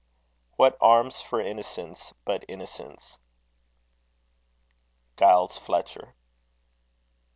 What arms for innocence but innocence. GILES FLETCHER.